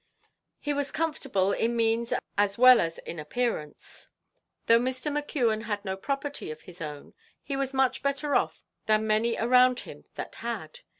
He was comfortable in means as well as in appearance. Though Mr. McKeon had no property of his own, he was much better off than many around him that had.